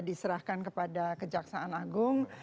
diserahkan kepada kejaksaan agung